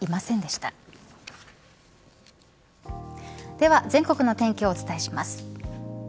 では全国の天気をお伝えします。